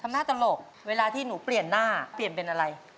หน้าตลกเวลาที่หนูเปลี่ยนหน้าเปลี่ยนเป็นอะไร